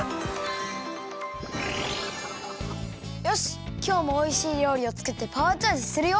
よしきょうもおいしいりょうりをつくってパワーチャージするよ！